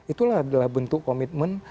itulah adalah bentuk komitmen